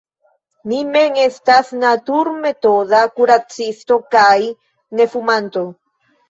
Mi mem estas naturmetoda kuracisto kaj nefumanto.